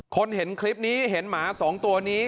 เห็นคลิปนี้เห็นหมา๒ตัวนี้